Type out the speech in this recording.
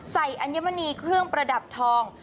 อัญมณีเครื่องประดับทอง